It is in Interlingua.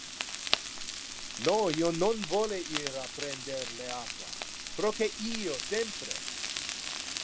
No, io non vole ir a prender le aqua! Proque io sempre?